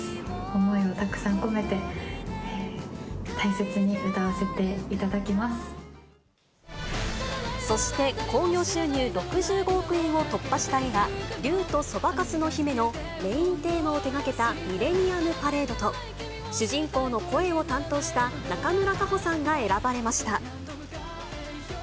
思いをたくさん込めて、そして、興行収入６５億円を突破した映画、竜とそばかすの姫のメインテーマを手がけたミレニアムパレードと、主人公の声を担当した、中村佳穂さんが選ばれました。